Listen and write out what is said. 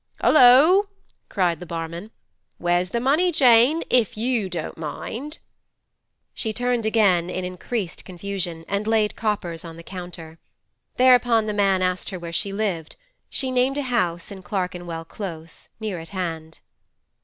'Hollo!' cried the barman. 'Where's the money, Jane?—if you don't mind.' She turned again in increased confusion, and laid coppers on the counter. Thereupon the man asked her where she lived; she named a house in Clerkenwell Close, near at hand.